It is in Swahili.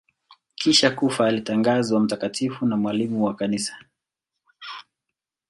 Kisha kufa alitangazwa mtakatifu na mwalimu wa Kanisa.